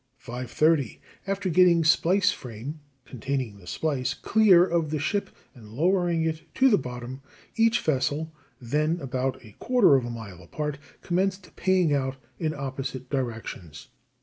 5.30, after getting splice frame (containing the splice) clear of the ship and lowering it to the bottom, each vessel (then about a quarter of a mile apart) commenced paying out in opposite directions.